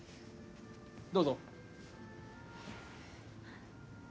どうぞ。